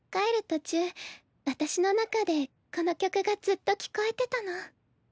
途中私の中でこの曲がずっと聞こえてたの。